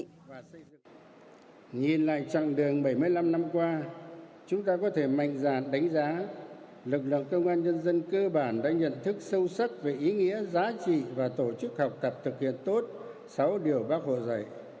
tổng bí thư nguyễn phú trọng đã đánh giá lực lượng công an nhân dân cơ bản đã nhận thức sâu sắc về ý nghĩa giá trị và tổ chức học tập thực hiện tốt sáu điều bác hổ dạy